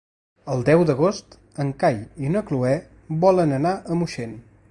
El deu d'agost en Cai i na Cloè volen anar a Moixent.